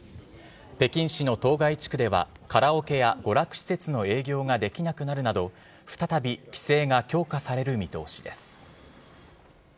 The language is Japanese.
北京市の当該地区では、カラオケや娯楽施設の営業ができなくなるなど、再び規制が強化される見通しです。